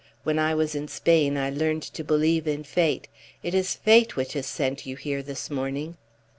When I was in Spain I learned to believe in Fate. It is Fate which has sent you here this morning."